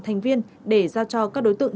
thành viên để giao cho các đối tượng